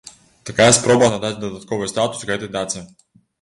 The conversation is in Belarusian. Такая спроба надаць дадатковы статус гэтай даце.